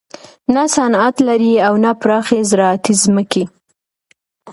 نه صنعت لري او نه پراخې زراعتي ځمکې.